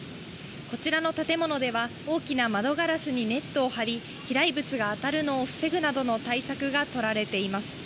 こちらの建物では大きな窓ガラスにネットを張り、飛来物が当たるのを防ぐなどの対策がとられています。